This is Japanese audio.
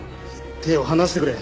手を離してくれ。